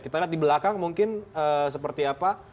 kita lihat di belakang mungkin seperti apa